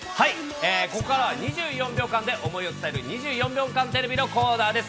ここからは、２４秒間で想いを伝える２４秒間テレビのコーナーです。